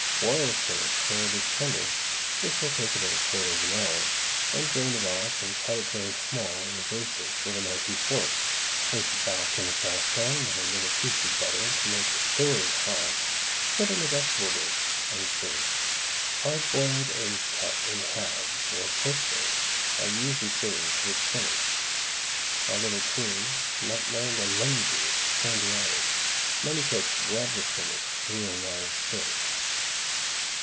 Boil the spinach till it is tender, which will take about a quarter of an hour, then drain it off and cut it very small in a basin with a knife and fork, place it back in a saucepan with a little piece of butter to make it thoroughly hot, put it in a vegetable dish and serve. Hard boiled eggs cut in halves, or poached eggs, are usually served with spinach. A little cream, nutmeg, and lemon juice can be added. Many cooks rub the spinach through a wire sieve.